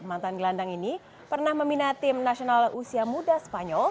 mantan gelandang ini pernah memina tim nasional usia muda spanyol